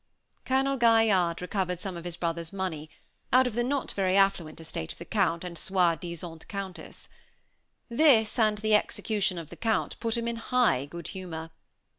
Colonel Gaillarde recovered some of his brother's money, out of the not very affluent estate of the Count and soi disant Countess. This, and the execution of the Count, put him in high good humor.